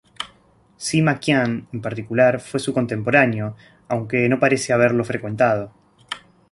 Sima Qian, en particular, fue su contemporáneo, aunque no parece haberlo frecuentado.